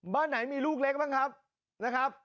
บ้านไหนมีลูกเล็กบ้างครับนะครับ